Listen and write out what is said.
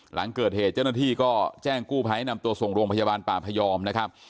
หลังเกิดเหตุเจ้าหน้าที่ก็แจ้งกู้ภัยนำตัวส่งโรงพยาบาลป่าพยอมนะครับ